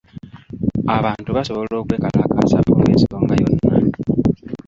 Abantu basobola okwekalakaasa olw'ensonga yonna.